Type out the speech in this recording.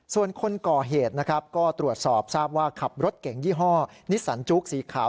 ส่วนคนก่อเหตุนะครับก็ตรวจสอบทราบว่าขับรถเก่งยี่ห้อนิสสันจุ๊กสีขาว